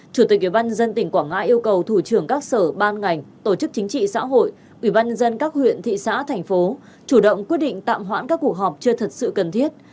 chủ tịch ủy ban nhân dân tỉnh quảng ngãi yêu cầu thủ trưởng các sở ban ngành tổ chức chính trị xã hội ubnd các huyện thị xã thành phố chủ động quyết định tạm hoãn các cuộc họp chưa thật sự cần thiết